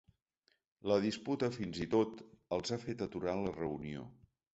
La disputa fins i tot els ha fet aturar la reunió.